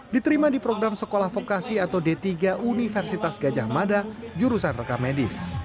diterima di program sekolah vokasi atau d tiga universitas gajah mada jurusan rekamedis